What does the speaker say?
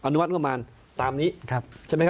อนุมัติประมาณตามนี้